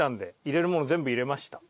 入れるもの全部入れました。